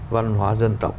văn hóa dân tộc